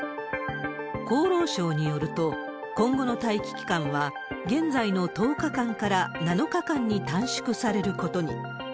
厚労省によると、今後の待機期間は、現在の１０日間から７日間に短縮されることに。